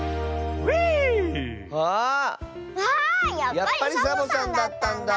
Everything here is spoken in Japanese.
やっぱりサボさんだったんだ！